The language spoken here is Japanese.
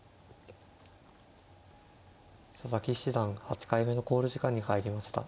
佐々木七段８回目の考慮時間に入りました。